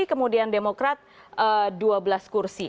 kemudian demokrat dua belas kursi